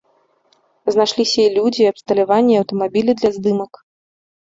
Знайшліся і людзі, і абсталяванне, і аўтамабілі для здымак.